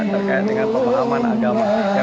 terkait dengan pemahaman agama